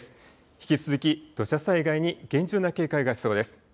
引き続き土砂災害に厳重な警戒が必要です。